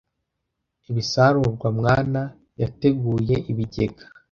ibisarurwa mwana yateguye ibigega